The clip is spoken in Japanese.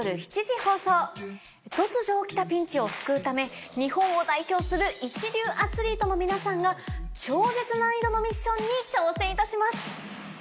突如起きたピンチを救うため日本を代表する一流アスリートの皆さんが超絶難易度のミッションに挑戦いたします。